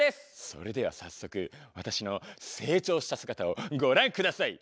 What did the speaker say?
それでは早速私の成長した姿をご覧下さい。